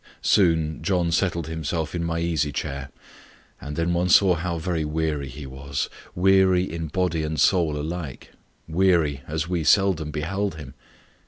Soon John settled himself in my easy chair, and then one saw how very weary he was weary in body and soul alike weary as we seldom beheld him.